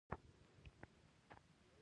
شهره آفاق ادیب او شاعر ته مې سلام ووايه.